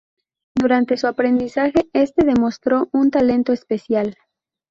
Durante su aprendizaje, este demostró un talento especial.